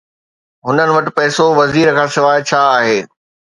هنن وٽ پئسو وزير کانسواءِ ڇا آهي؟